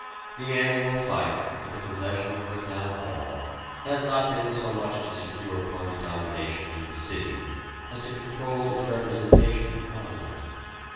The annual fight for the possession of the Town Hall has not been so much to secure party domination in the city as to control its representation in Parliament.